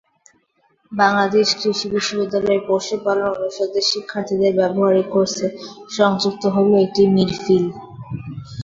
বাংলাদেশ কৃষি বিশ্ববিদ্যালয়ের পশুপালন অনুষদে শিক্ষার্থীদের ব্যবহারিক কোর্সে সংযুক্ত হলো একটি ফিড মিল।